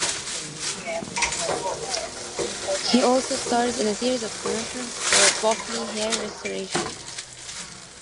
He also stars in a series of commercials for Bosley Hair Restoration.